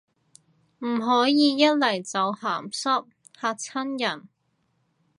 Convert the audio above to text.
唔可以一嚟就鹹濕，嚇親人